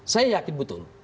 saya yakin betul